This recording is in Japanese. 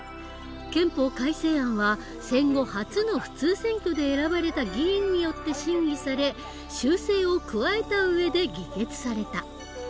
憲法改正案は戦後初の普通選挙で選ばれた議員によって審議され修正を加えた上で議決された。